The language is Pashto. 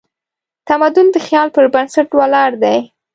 تمدن د خیال پر بنسټ ولاړ دی.